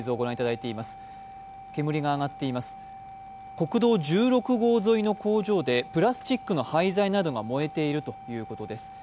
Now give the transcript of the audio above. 国道１６号沿いの工場でプラスチックの廃材などが燃えているということです。